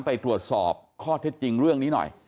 ไปตรวจสอบข้อเท็จจริงเรื่องนี้หน่อย